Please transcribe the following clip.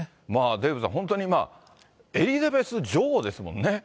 デーブさん、本当にエリザベス女王ですもんね。